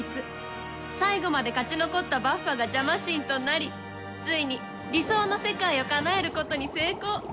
最後まで勝ち残ったバッファがジャマ神となりついに理想の世界をかなえることに成功